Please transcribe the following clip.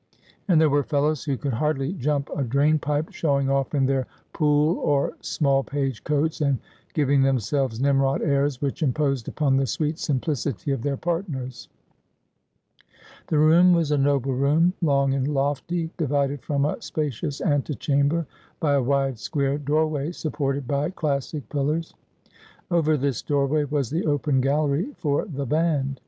And there were fellows who could hardly jump a drain pipe showing off in their Poole or Smallpage coats, and giving themselves Nimrod airs which imposed upon the sweet simplicity of their partners. The room was a noble room, long and lofty, divided from a spacious antechamber by a wide square doorway, supported by 220 Asphodel. classic pillars. Over this doorway was the open gallery for the band.